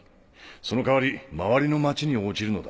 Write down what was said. その代わり周りの町に落ちるのだ